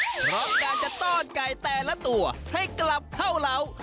เพราะการจะต้อนไก่แต่ละตัวให้กลับเข้าเล้า